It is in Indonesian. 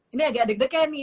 ini agak deg deg ya nih